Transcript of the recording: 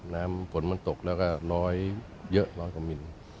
น้ำฝนมันตกแล้วก็น้อยเยอะร้อยกว่ามิล